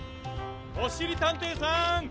・おしりたんていさん！